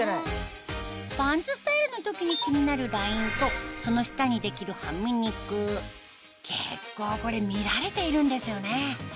パンツスタイルの時に気になるラインとその下にできるはみ肉結構これ見られているんですよね